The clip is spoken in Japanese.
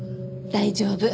大丈夫。